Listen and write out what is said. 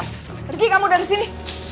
pergi kamu dari sini